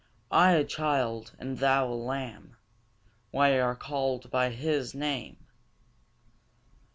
I a child, and thou a lamb, We are callèd by His name.